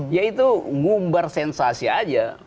yaitu ngumbar sensasi saja